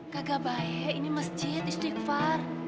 kagak baik ini masjid istighfar